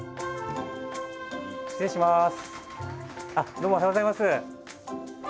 どうもおはようございます。